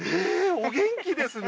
お元気ですね